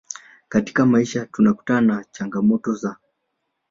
katika maisha tunakutana na changamoto za